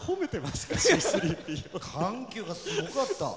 緩急がすごかった。